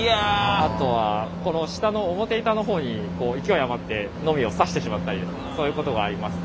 あとはこの下の表板の方に勢い余ってノミを刺してしまったりそういうことがありますね。